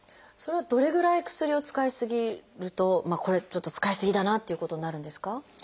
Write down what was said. それはどれぐらい薬を使い過ぎるとこれちょっと使い過ぎだなっていうことになるんですか？